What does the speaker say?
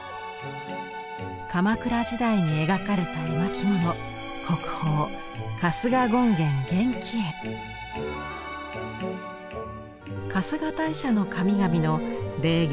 鎌倉時代に描かれた絵巻物春日大社の神々の霊験